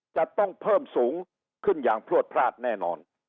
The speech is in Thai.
จะต้องเพิ่มสูงขึ้นอย่างพลวดพลาดแน่นอน